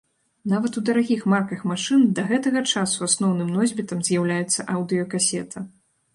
Нават у дарагіх марках машын да гэтага часу асноўным носьбітам з'яўляецца аўдыёкасета.